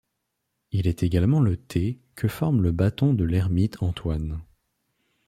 Il est également le T que forme le Bâton de l'ermite Antoine.